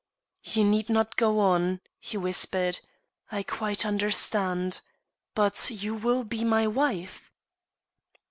"You need not go on," he whispered; "I quite understand. But you will be my wife?"